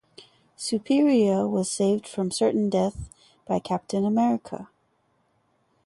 Superia was saved from certain death by Captain America.